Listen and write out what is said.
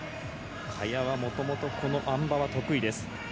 萱はもともとあん馬は得意です。